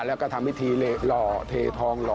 แล้วก็ทำพิธีหล่อเททองหล่อ